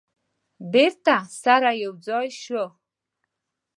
بیرته سره یو ځای شوه.